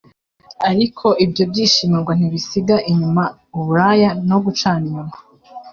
Ariko ibyo byishimo ngo ntibisiga inyuma uburaya no gucana inyuma